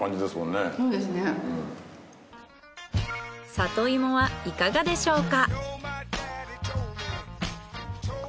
サトイモはいかがでしょうか。